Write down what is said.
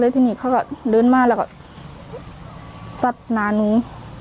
ทีนี้เขาก็เดินมาแล้วก็ซัดหน้าหนู